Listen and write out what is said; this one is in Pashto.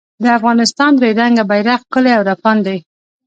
د افغانستان درې رنګه بېرغ ښکلی او رپاند دی